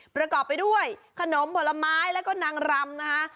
ประกอบไปด้วยขนมผลไม้แล้วก็นางรำนะคะ